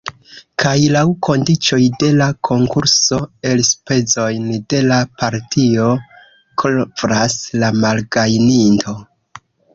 Kaj laŭ kondiĉoj de la konkurso elspezojn de la partio kovras la malgajninto.